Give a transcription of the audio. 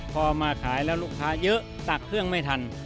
พอมาขายแล้วลูกค้าเยอะตักเครื่องไม่ทัน